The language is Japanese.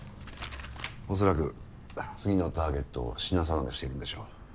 おそらく次のターゲットを品定めしていくんでしょう。